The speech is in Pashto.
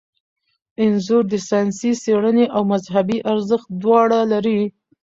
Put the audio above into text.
انځور د ساینسي څیړنې او مذهبي ارزښت دواړه لري.